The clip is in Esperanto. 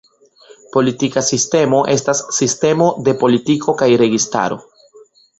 Politika sistemo estas sistemo de politiko kaj registaro.